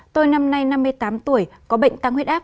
tôi năm nay năm mươi tám tuổi có bệnh tăng huyết áp